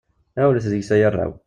Ɣiwlet deg-s ay arraw!